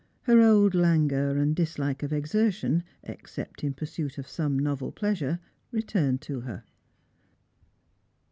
Her old languor and dislike of exertion, except in pursuit of some novel pleasure, re turned to her.